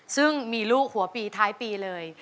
ซึ่งมีลูกหัวปีท้ายปีเลย